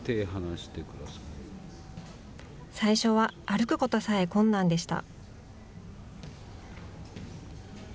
最初は歩くことさえ困難でした。